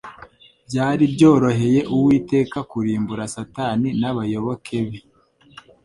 Byari byoroheye Uwiteka kurimbura Satani n'abayoboke be